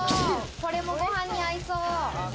これもご飯に合いそう。